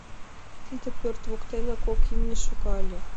Тиде пӧрт воктене кок имне шога ыле.